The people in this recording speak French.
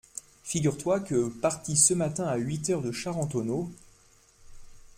Figure-toi que, parti ce matin à huit heures de Charentonneau…